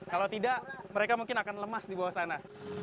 kalau tidak mereka mungkin akan lemas di bawah sana